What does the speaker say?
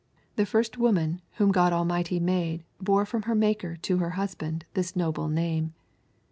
The first woman whom God Almighty made bore from her Maker to her husband this noble name.